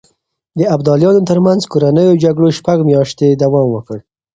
د ابداليانو ترمنځ کورنيو جګړو شپږ مياشتې دوام وکړ.